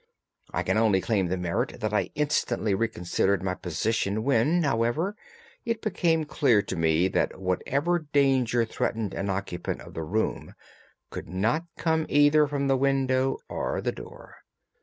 I can only claim the merit that I instantly reconsidered my position when, however, it became clear to me that whatever danger threatened an occupant of the room could not come either from the window or the door.